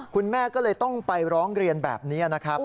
คุณแม่ก็เลยต้องไปร้องเรียนแบบนี้นะครับ